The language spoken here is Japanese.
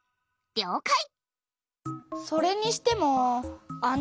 りょうかい！